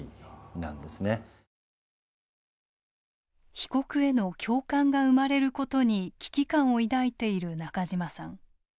被告への共感が生まれることに危機感を抱いている中島さん。